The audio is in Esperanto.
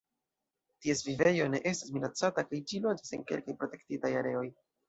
Ties vivejo ne estas minacata kaj ĝi loĝas en kelkaj protektitaj areoj.